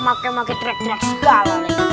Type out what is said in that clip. makan makan trek trek segala nih